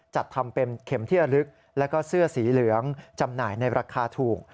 จัดทำเป็นเข็มที่ระลึกแล้วก็เสื้อสีเหลืองจำหน่ายในราคาถูก